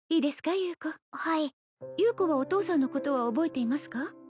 優子はい優子はお父さんのことは覚えていますか？